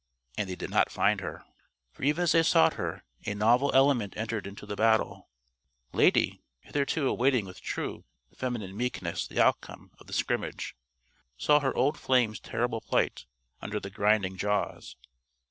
And they did not find her. For even as they sought her, a novel element entered into the battle. Lady, hitherto awaiting with true feminine meekness the outcome of the scrimmage, saw her old flame's terrible plight, under the grinding jaws.